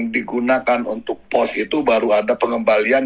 digunakan untuk pos itu baru ada pengembalian